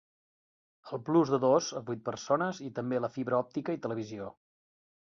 El plus de dos a vuit persones i també la fibra òptica i televisió.